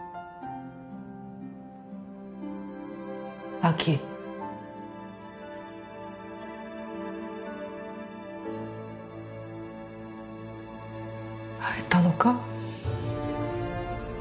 亜希会えたのか？